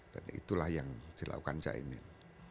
dan itulah yang dilakukan cak emin